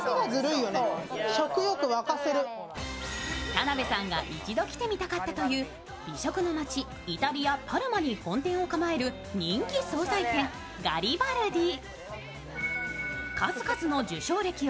田辺さんが一度来てみたかったという美食の街、イタリア・パルマに本店を構える人気総菜店・ガリバルディ。